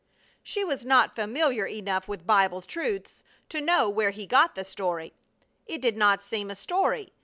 She was not familiar enough with Bible truths to know where he got the story. It did not seem a story.